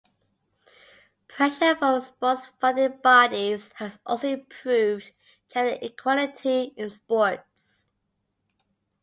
Pressure from sports funding bodies has also improved gender equality in sports.